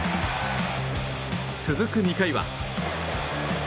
続く２回は。